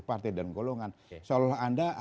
partai dan golongan soalnya anda